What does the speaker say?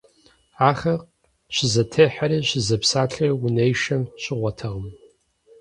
Ахэр щызэтехьэри щызэпсалъэри унэишэм щыгъуэтэкъым.